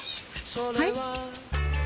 はい？